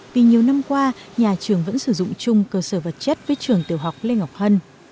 vì nhiều năm qua nhà trường vẫn sử dụng chung cơ sở vật chất với trường tiểu học lê ngọc hân